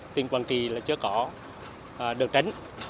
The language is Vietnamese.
tỉnh quảng trị chưa có đường tránh